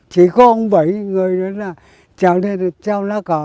thế còn bảy người đó là treo lên treo lá cờ